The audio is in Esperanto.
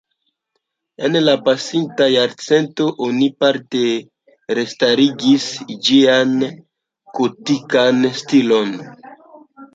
En la pasinta jarcento oni parte restarigis ĝian gotikan stilon.